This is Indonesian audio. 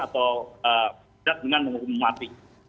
atau tidak dengan menghukum mati